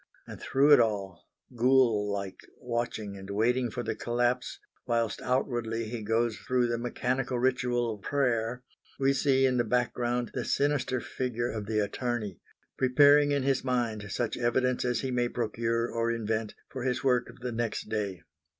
And through it all, ghoul like, watching and waiting for the collapse, whilst outwardly he goes through the mechanical ritual of prayer, we see in the background the sinister figure of the attorney, preparing in his mind such evidence as he may procure or invent for his work of the next day.